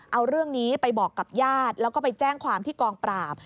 เอาเรื่องนี้ไปบอกกับญาติแล้วก็ไปแจ้งความที่กองปราบ